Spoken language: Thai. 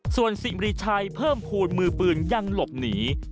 ส่วนสิ่งรีชัยเพิ่มภูมิมือปืนยังหลบหนี